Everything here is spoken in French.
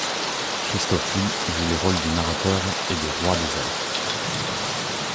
Christopher Lee joue les rôles du narrateur et de roi des elfes.